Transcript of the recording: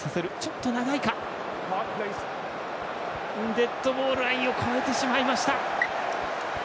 デッドボールラインを越えてしまいました。